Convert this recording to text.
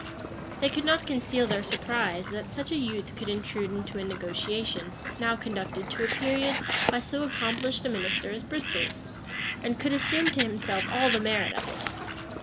[] They could not conceal their surprise, that such a youth could intrude into a negotiation, now conducted to a period by so accomplished a minister as Bristol, and could assume to himself all the merit of it.